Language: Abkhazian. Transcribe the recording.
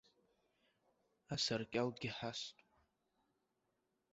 Асаркьалгьы ҳаст.